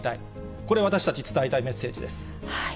これ、私たち伝えたいメッセージです。